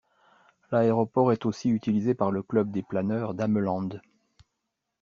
L'aéroport est aussi utilisé par le Club des planeurs d'Ameland.